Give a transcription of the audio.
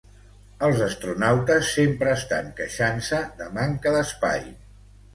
Els astronautes sempre estan queixant-se de manca d'espai.